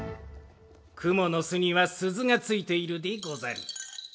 くもの巣にはすずがついているでござる。